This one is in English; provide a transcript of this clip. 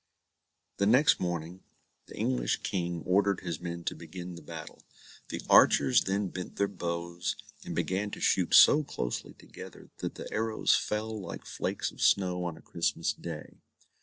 The next morning the English King ordered his men to begin the battle. The archers then bent their bows, and began to shoot so closely together, that the arrows fell like flakes of snow on a Christmas day.